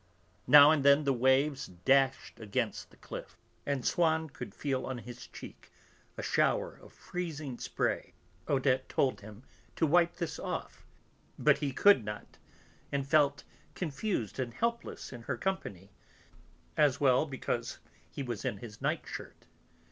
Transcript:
Now and then the waves dashed against the cliff, and Swann could feel on his cheek a shower of freezing spray. Odette told him to wipe this off, but he could not, and felt confused and helpless in her company, as well as because he was in his nightshirt.